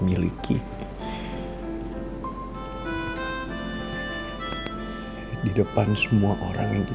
tapi tetep aja dia ngacangin gue